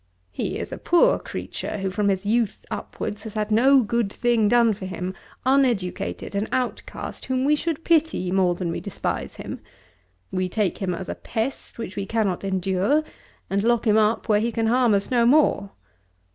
He is a poor creature, who from his youth upwards has had no good thing done for him, uneducated, an outcast, whom we should pity more than we despise him. We take him as a pest which we cannot endure, and lock him up where he can harm us no more.